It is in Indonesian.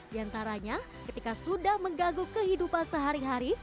di antaranya ketika sudah mengganggu kehidupan sehari hari